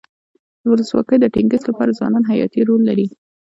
د ولسواکۍ د ټینګښت لپاره ځوانان حیاتي رول لري.